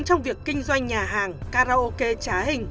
trong việc kinh doanh nhà hàng karaoke trá hình